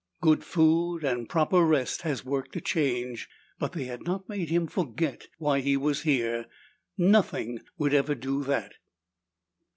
Good food and proper rest had worked a change, but they had not made him forget why he was here. Nothing would ever do that.